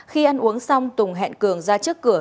khi ăn uống xong tùng hẹn cường ra trước cửa